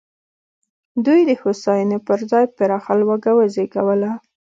دوی د هوساینې پر ځای پراخه لوږه وزېږوله.